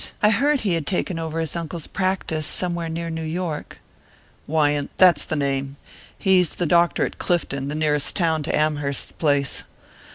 I heard he had taken over his uncle's practice somewhere near New York." "Wyant that's the name. He's the doctor at Clifton, the nearest town to the Amhersts' place.